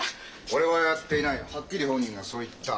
「俺はやっていない」はっきり本人がそう言った。